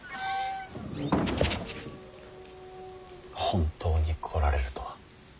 本当に来られるとは。